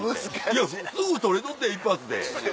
いやすぐ撮れとったやん一発で。